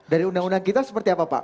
dari undang undang kita seperti apa pak